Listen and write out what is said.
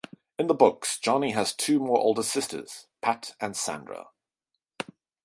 In the books Jonny has two more older sisters - Pat and Sandra.